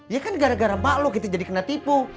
ya kan gara gara maklum kita jadi kena tipu